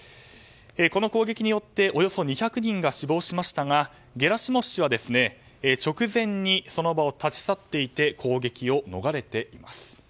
この攻撃によっておよそ２００人が死亡しましたがゲラシモフ氏は直前にその場を立ち去っていて攻撃を逃れています。